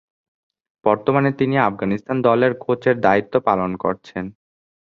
বর্তমানে তিনি আফগানিস্তান দলের কোচের দায়িত্ব পালন করছেন।